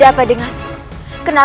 saya sudah mencadang si yunda